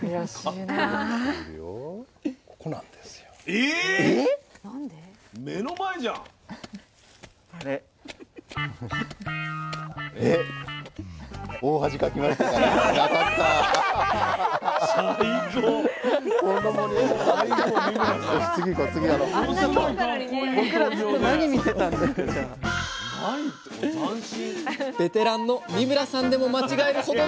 ベテランの三村さんでも間違えるほどの難しさ。